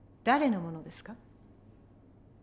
誰のものですか？